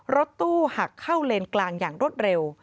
รถตู้หักเข้าเลนกลางอย่างรวดเร็ว